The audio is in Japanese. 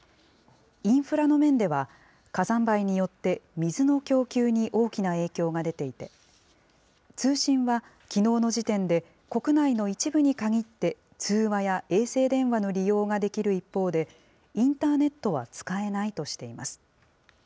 インフラの面では、火山灰によって水の供給に大きな影響が出ていて、通信はきのうの時点で、国内の一部に限って、通話や衛星電話の利用ができる一方で、インターネットは使えないとしています。